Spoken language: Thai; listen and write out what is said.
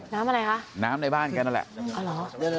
อะไรคะน้ำในบ้านแกนั่นแหละ